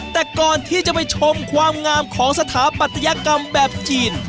แต่ก่อนที่จะไปชมความงามของสถาปัตยกรรมแบบจีน